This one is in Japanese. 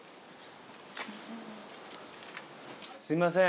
すみません